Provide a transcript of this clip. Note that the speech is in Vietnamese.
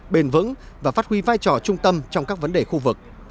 bền vững và phát huy vai trò trung tâm trong các vấn đề khu vực